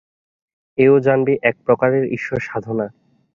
এও জানবি এক প্রকারের ঈশ্বর-সাধনা।